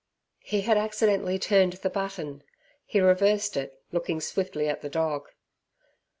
He had accidentally turned the button, he reversed it looking swiftly at the dog.